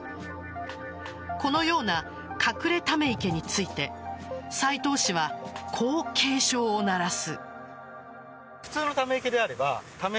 このような隠れため池について斎藤氏は、こう警鐘を鳴らす。